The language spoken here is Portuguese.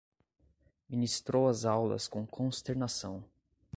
Ministrou as aulas com consternação